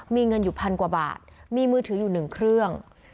มีเงินอยู่พันกว่าบาทมีมือถืออยู่๑เครื่อง